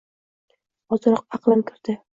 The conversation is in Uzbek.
Ozroq aqlim kirdi.